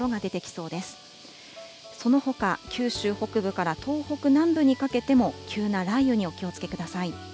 そのほか、九州北部から東北南部にかけても、急な雷雨にお気をつけください。